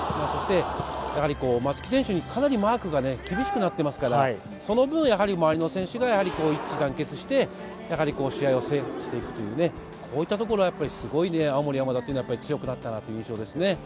そして松木選手にかなりマークが厳しくなっていますから、その分、周りの選手が一致団結して、試合を制していくというこういったところはすごい青森山田、強くなったなという印象です。